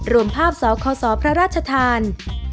รวมภาพเสาขอสอพระราชทาน